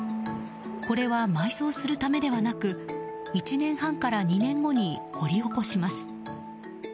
これは埋葬するためではなく１年半から２年後に掘り起こします。